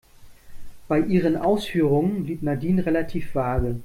Bei ihren Ausführungen blieb Nadine relativ vage.